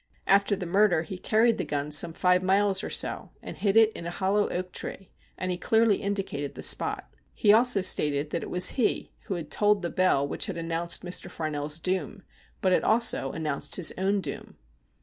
After the murder, he carried the gun some five miles or so, and hid it in a hollow oak tree, and he clearly indicated the spot. He also stated that it was he who had tolled the bell which had announced Mr. Farnell' s doom , but it also announced his own doom.